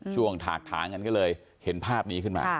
ถากถางกันก็เลยเห็นภาพนี้ขึ้นมา